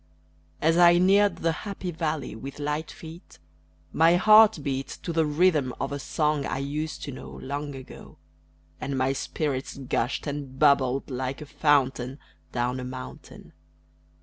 As I neared the happy valley with light feet, My heart beat To the rhythm of a song I used to know Long ago, And my spirits gushed and bubbled like a fountain Down a mountain.